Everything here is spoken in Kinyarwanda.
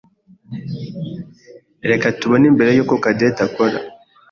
Reka tubone mbere yuko Cadette akora.